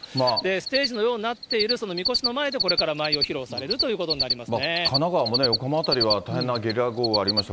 ステージのようになっているみこしの前でこれから舞を披露される神奈川も横浜辺りは、大変なゲリラ豪雨ありました。